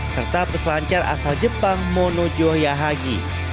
serta peselancar asal jepang mono jo yahagi